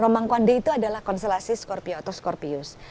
romang guandi itu adalah konstelasi skorpio atau skorpius